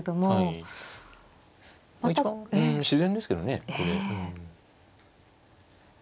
一番自然ですけどねこれ。